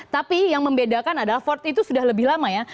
tapi yang membedakan adalah ford itu sudah lebih lama ya